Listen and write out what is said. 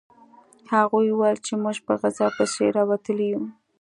هغوی وویل چې موږ په غذا پسې راوتلي یو